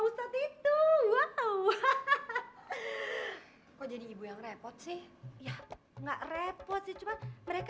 ustadz itu wow kok jadi ibu yang repot sih ya enggak repot sih cuma mereka